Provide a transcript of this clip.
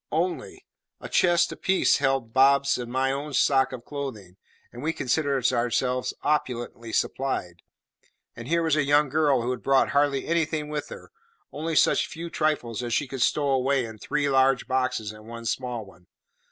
Only! A chest apiece held Bob's and my own stock of clothing, and we considered ourselves opulently supplied; and here was a young girl who had brought hardly anything with her only such few trifles as she could stow away in three large boxes and one small one.